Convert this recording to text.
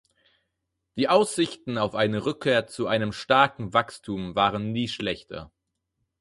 Die Aussichten auf eine Rückkehr zu einem starken Wachstum waren nie schlechter.